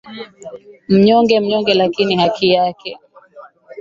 mnyonge mnyongeni lakini haki yake